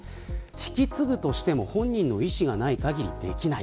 引き継ぐとしても本人の意思がない限りできない。